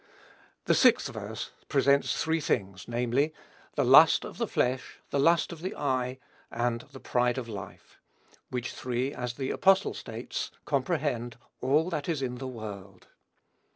The sixth verse presents three things, namely: "the lust of the flesh, the lust of the eye, and the pride of life;" which three, as the apostle states, comprehend "all that is in the world."